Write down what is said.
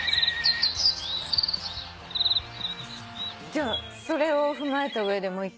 じゃあそれを踏まえた上でもう１回。